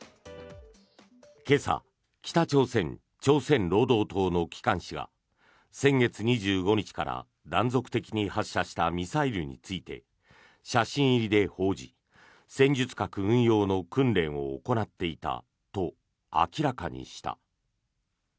今朝、北朝鮮朝鮮労働党の機関紙が先月２５日から断続的に発射したミサイルについて写真入りで報じ戦術核運用の訓練を行っていたと明らかにした。